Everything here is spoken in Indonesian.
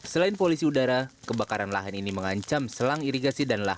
selain polisi udara kebakaran lahan ini mengancam selang irigasi dan lahan